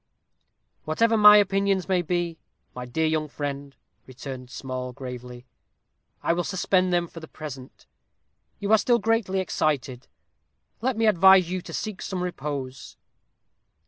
"Whatever my opinions may be, my dear young friend," returned Small, gravely, "I will suspend them for the present. You are still greatly excited. Let me advise you to seek some repose."